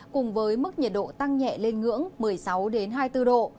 cùng với mức nhiệt độ tăng nhẹ lên ngưỡng một mươi sáu hai mươi bốn độ